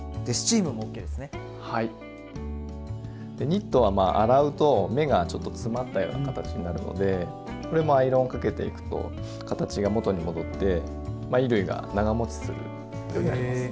ニットはまあ洗うと目がちょっと詰まったような形になるのでこれもアイロンをかけていくと形が元に戻って衣類が長もちするようになります。